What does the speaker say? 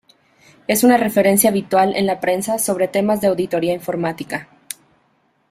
Es una referencia habitual en la prensa sobre temas de auditoría informática.